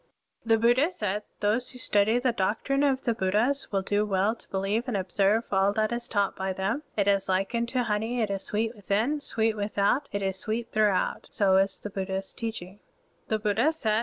(39) The Buddha said, "Those who study the doctrine of the Buddhas will do well to believe and observe all that is taught by them. It is like tmto honey; it is sweet within, it is sweet without, it is sweet throughout; so is the Bud dhas' teaching." (40) The Buddha said